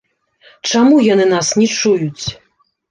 Чаму яны нас не чуюць?